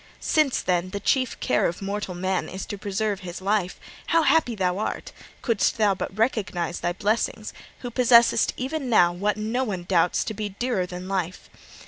Since, then, the chief care of mortal man is to preserve his life, how happy art thou, couldst thou but recognise thy blessings, who possessest even now what no one doubts to be dearer than life!